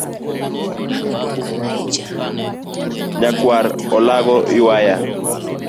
Nyakwar olago ywaya.